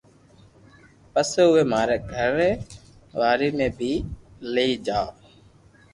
پسي اووي ماري گھر وارو ني بي لئي جاو